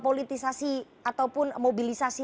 politisasi ataupun mobilisasi